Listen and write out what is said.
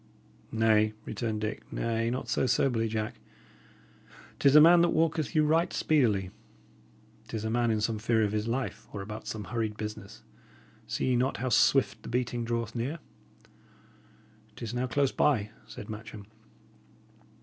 "Nay," returned Dick "nay, not so soberly, Jack. 'Tis a man that walketh you right speedily. 'Tis a man in some fear of his life, or about some hurried business. See ye not how swift the beating draweth near?" "It is now close by," said Matcham.